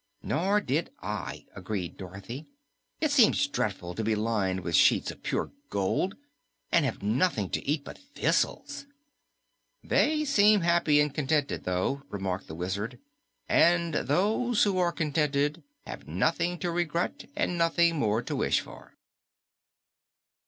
"Nor did I," agreed Dorothy. "It seems dreadful to be lined with sheets of pure gold and have nothing to eat but thistles." "They seemed happy and contented, though," remarked the Wizard, "and those who are contented have nothing to regret and nothing more to wish for."